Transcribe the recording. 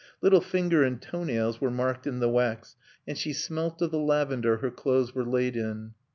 Little finger and toenails were marked in the wax, and she smelt of the lavender her clothes were laid in.